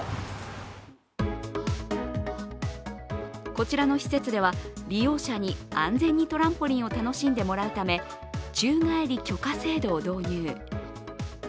こちらの施設では利用者に安全にトランポリンを楽しんでもらうため宙返り許可制度を導入。